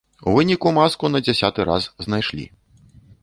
У выніку маску на дзясяты раз знайшлі.